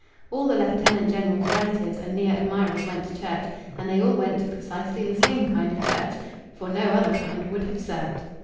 All the Lieutenant General's relatives and near admirers went to church, and they all went to precisely the same kind of church, for no other kind would have served.